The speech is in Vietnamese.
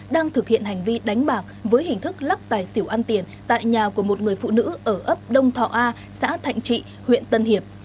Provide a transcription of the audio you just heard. đang thực hiện hành vi đánh bạc với hình thức lắc tài xỉu ăn tiền tại nhà của một người phụ nữ ở ấp đông thọ a xã thạnh trị huyện tân hiệp